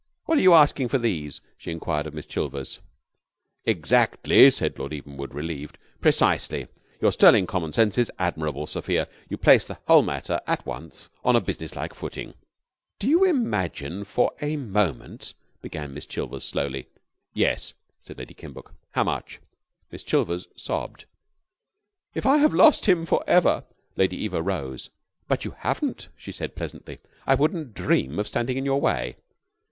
"What are you asking for these?" she enquired of Miss Chilvers. "Exactly," said Lord Evenwood, relieved. "Precisely. Your sterling common sense is admirable, Sophia. You place the whole matter at once on a businesslike footing." "Do you imagine for a moment ?" began Miss Chilvers slowly. "Yes," said Lady Kimbuck. "How much?" Miss Chilvers sobbed. "If I have lost him for ever " Lady Eva rose. "But you haven't," she said pleasantly. "I wouldn't dream of standing in your way."